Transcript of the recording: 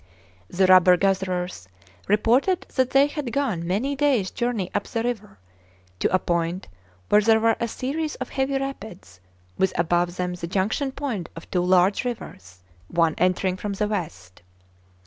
The rubber gatherers reported that they had gone many days' journey up the river, to a point where there was a series of heavy rapids with above them the junction point of two large rivers, one entering from the west.